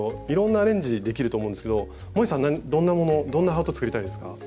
いろんなアレンジできると思うんですがもえさんどんなものどんなハートを作りたいですか？